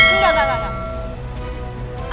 enggak enggak enggak